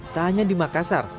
tak hanya di makassar